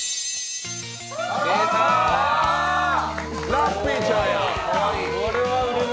ラッピーちゃんや！